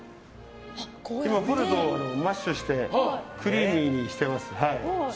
ポテトをマッシュしてクリーミーにしてます。